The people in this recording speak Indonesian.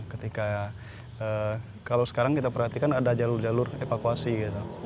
ketika kalau sekarang kita perhatikan ada jalur jalur evakuasi gitu